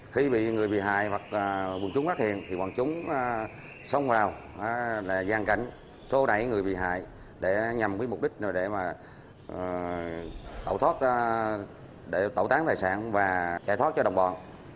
khi bị người bị hại hoặc bọn chúng phát hiện thì bọn chúng xông vào là gian cảnh xô đẩy người bị hại để nhằm với mục đích để tẩu tán tài sản và trải thoát cho đồng bọn